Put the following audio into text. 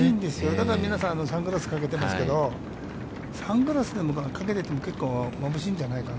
だから皆さん、サングラスかけてますけど、サングラスをかけててもまぶしいんじゃないかな。